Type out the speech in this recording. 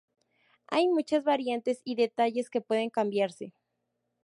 Hay muchas variantes y detalles que pueden cambiarse.